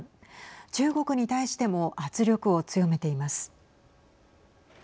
中国に対しても圧力を強めています。